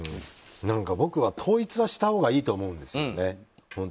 僕は統一はしたほうがいいと思うんですよね。